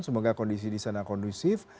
semoga kondisi di sana kondusif